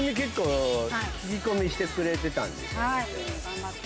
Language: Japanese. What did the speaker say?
頑張って。